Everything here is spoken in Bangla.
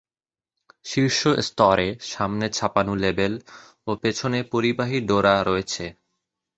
শীর্ষ স্তরে সামনে ছাপানো লেবেল ও পেছনে পরিবাহী ডোরা রয়েছে।